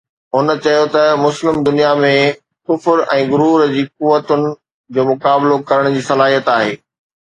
هن چيو ته مسلم دنيا ۾ ڪفر ۽ غرور جي قوتن جو مقابلو ڪرڻ جي صلاحيت آهي